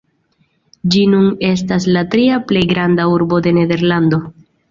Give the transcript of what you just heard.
Ĝi nun estas la tria plej granda urbo de Nederlando.